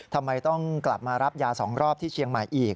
ทำไมต้องกลับมารับยา๒รอบที่เชียงใหม่อีก